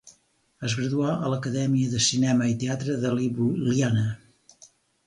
Es graduà a l'Acadèmia de Cinema i Teatre de Ljubljana.